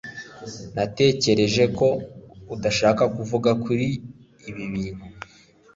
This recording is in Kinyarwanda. Natekereje ko udashaka kuvuga kuri ibi bintu